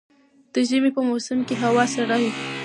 د ژمي په موسم کي هوا سړه وي